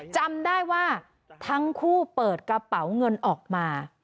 จำได้ว่าทั้งคู่เปิดกระเป๋าเงินออกมา